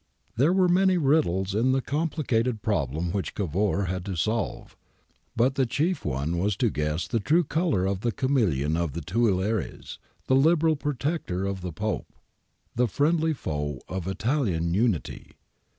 There were many riddles in the complicated problem which Cavour had to solve, but the chief one was to guess the true colour of the chameleon of the Tuileries, the Liberal protector of the Pope, the friendly foe of Italian unity.